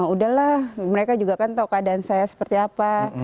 udah lah mereka juga kan tau keadaan saya seperti apa